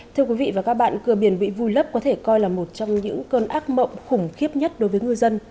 thưa quý vị và các bạn cửa biển bị vùi lấp có thể coi là một trong những cơn ác mộng khủng khiếp nhất đối với ngư dân